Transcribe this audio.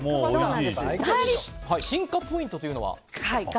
進化ポイントというのは？